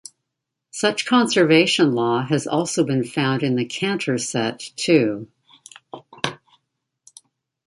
Such conservation law has also been found in Cantor set too.